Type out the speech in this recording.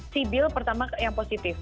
sibil pertama yang positif